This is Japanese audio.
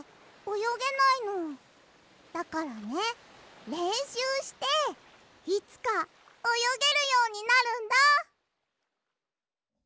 だからねれんしゅうしていつかおよげるようになるんだ。